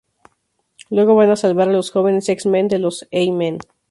Luego van a salvar a los Jóvenes X-Men de los Y-Men.